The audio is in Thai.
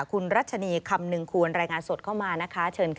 คุณรัชนีคำนึงควรรายงานสดเข้ามานะคะเชิญค่ะ